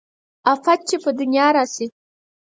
افت چې په دنيا راشي